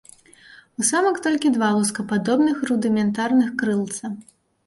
У самак толькі два лускападобных рудыментарных крылца.